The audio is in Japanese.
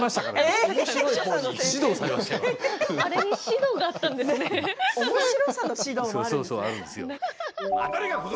あれに指導があったんですね。